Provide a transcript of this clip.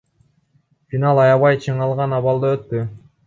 Финал аябай чыңалган абалда өттү.